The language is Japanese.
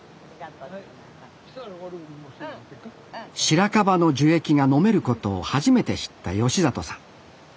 白樺の樹液が飲めることを初めて知った里さん。